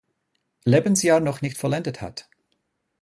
Lebensjahr noch nicht vollendet hat.